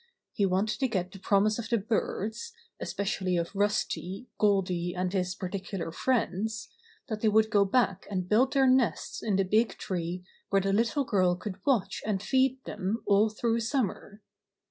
He wanted to get the promise of the birds, especially of Rusty, Goldy and his particular friends, that they would go back and build their nests in the big tree where the little girl could watch and feed them all through the summer.